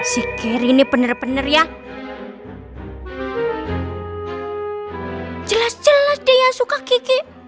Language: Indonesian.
si giri ini bener bener ya jelas jelas dia suka kiki